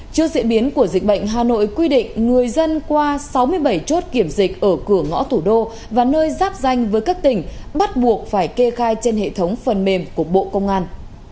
trước diễn biến của dịch bệnh hà nội quy định người dân qua sáu mươi bảy chốt kiểm dịch ở cửa ngõ thủ đô và nơi giáp danh với các tỉnh bắt buộc phải kê khai trên hệ thống phần mềm của bộ công an